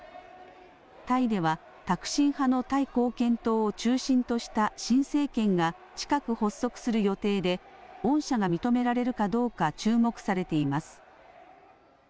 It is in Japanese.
タイではタクシン派のタイ貢献党を中心とした新政権が近く発足する予定で恩赦が認められるかどうか注目されています。